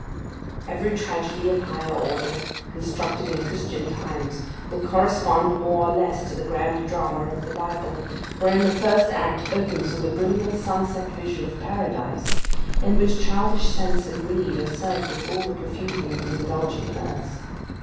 Every tragedy of higher order, constructed in Christian times, will correspond more or less to the grand drama of the Bible; wherein the first act opens with a brilliant sunset vision of Paradise, in which childish sense and need are served with all the profusion of the indulgent nurse.